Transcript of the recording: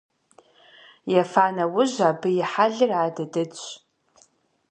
Ефа нэужь абы и хьэлыр адыдыдщ.